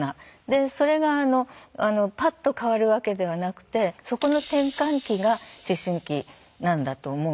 でそれがぱっと変わるわけではなくてそこの転換期が思春期なんだと思うんですね。